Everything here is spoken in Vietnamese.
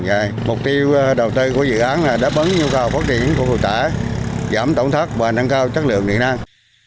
giảm tổn thất và nâng cao chất lượng điện năng